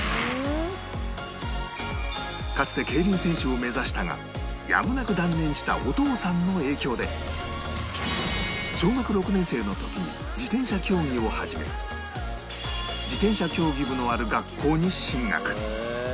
かつて競輪選手を目指したがやむなく断念したお父さんの影響で小学６年生の時に自転車競技を始め自転車競技部のある学校に進学